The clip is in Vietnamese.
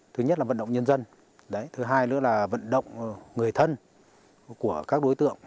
thứ nhất là vận động nhân dân thứ hai nữa là vận động người thân của các đối tượng